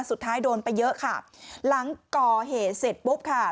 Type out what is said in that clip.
สุดท้ายโดนไปเยอะค่ะหลังก่อเหตุเสร็จปุ๊บค่ะ